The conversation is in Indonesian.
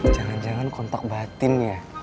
jangan jangan kontak batin ya